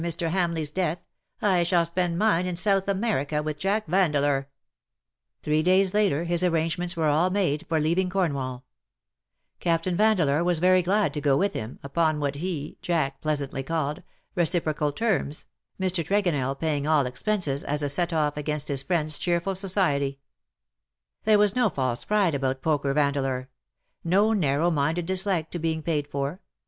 7 for Mr. Hamleigh^s deaths I shall spend mine in South America, with Jack Vandeleur/^ Three days later his arrangements were all made for leaving Cornwall, Captain Vandeleur was very glad to go with him_, upon what he, Jack, pleasantly called ^^ reciprocal terms/^ Mr. Tregonell paying all expenses as a set ofF against his friend^s cheerful society. There was no false pride about Poker Vandeleur ; no narrow minded dislike to being paid for.